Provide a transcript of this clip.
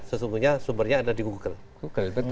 sesungguhnya sumbernya ada di google